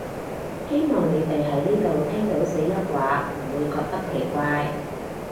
希望你哋喺呢度聽到四邑話唔會覺得奇怪